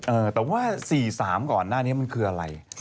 เออแต่ว่า๔๓ก่อนหน้านี้มันคืออะไร